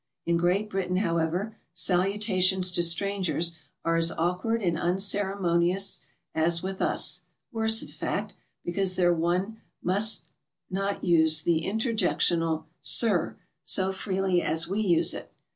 In Great Britain, however, salutations to strangers are as awk ward and unceremoious as with us, — worse, in fact, because there one must not use the interjectional "Sir" so freely as we use it.